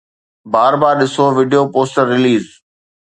بار بار ڏسو video poster release